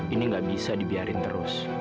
ini nggak bisa dibiarin terus